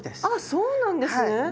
あっそうなんですね！